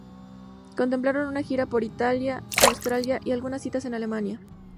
Completaron una gira por Italia, Australia y algunas citas en Alemania.